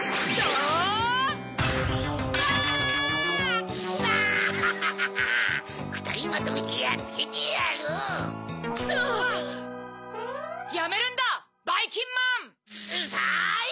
うるさい！